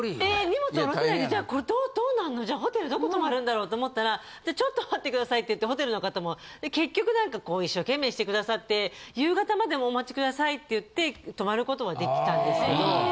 荷物降ろせないでこれどうなんの？じゃあホテルどこ泊まるんだろうと思ったら「じゃあちょっと待って下さい」って言ってホテルの方も結局なんか一生懸命して下さって「夕方までお待ち下さい」って言って泊まる事はできたんですけど。